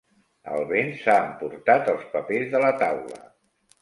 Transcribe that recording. El vent s'ha emportat els papers de la taula.